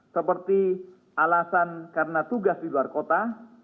seperti alasan karena tugas di luar kota